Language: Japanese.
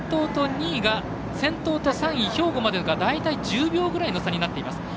先頭と３位、兵庫までが大体、１０秒ぐらいの差になっています。